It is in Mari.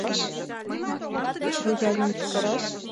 — Рояльым виктараш?